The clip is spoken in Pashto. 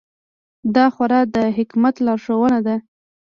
دا خورا د حکمت لارښوونه ده.